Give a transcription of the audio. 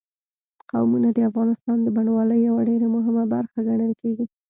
قومونه د افغانستان د بڼوالۍ یوه ډېره مهمه برخه ګڼل کېږي.